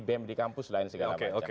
bem di kampus lain segala macam